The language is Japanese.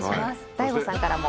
醍醐さんからも。